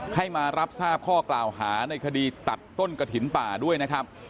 ให้มารับทราบข้อกล่าวหาในคดีตัดต้นกระถิ่นป่าด้วยนะครับ